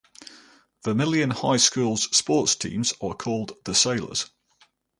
Vermilion High School's sports teams are called the "Sailors".